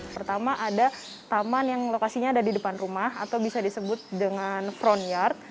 pertama ada taman yang lokasinya ada di depan rumah atau bisa disebut dengan front yard